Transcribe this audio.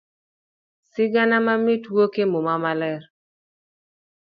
Sigana mamit wuokie muma maler.